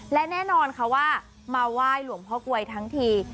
และแน่นอนค่ะว่ามาไหว้หลวงพ่อกลวยทั้งที